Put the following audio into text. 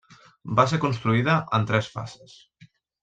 Va ser construïda en tres fases.